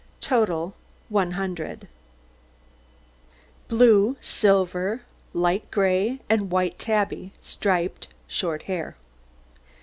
TOTAL 100 BLUE, SILVER, LIGHT GRAY, AND WHITE TABBY, STRIPED, SHORT HAIR.